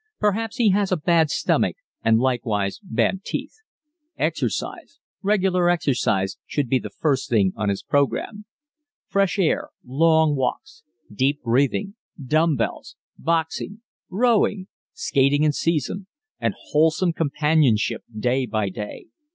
Perhaps he has a bad stomach, and likewise bad teeth. Exercise regular exercise, should be the first thing on his program. Fresh air, long walks, deep breathing, dumb bells, boxing, rowing, skating in season and wholesome companionship day by day.